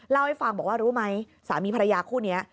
เล่าให้ฟังบอกว่ารู้ไหมสามีภรรยาคู่นี้